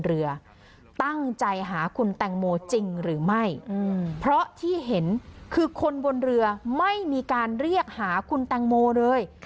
เรือตั้งใจหาคุณแตงโมจริงหรือไม่เพราะที่เห็นคือคนบนเรือไม่มีการเรียกหาคุณแตงโมเลย